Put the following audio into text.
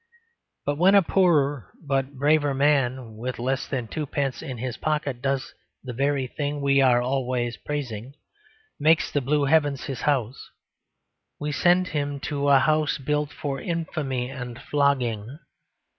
But when a poorer but braver man with less than twopence in his pocket does the very thing we are always praising, makes the blue heavens his house, we send him to a house built for infamy and flogging.